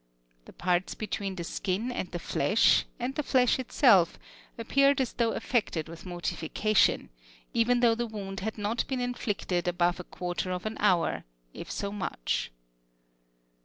The parts between the skin and the flesh, and the flesh itself, appeared as though affected with mortification, even though the wound had not been inflicted above a quarter of an hour, if so much.